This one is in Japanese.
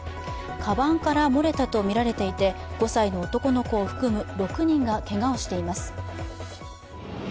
かばんから漏れたとみられていて５歳の男の子を含む６人がけがをしています。